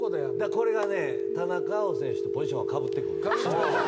これがね、田中碧選手とポジションはかぶってくるの。